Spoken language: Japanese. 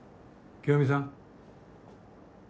清美さん！